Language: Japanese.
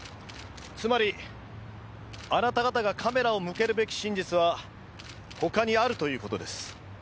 つまりあなた方がカメラを向けるべき真実は他にあるという事です。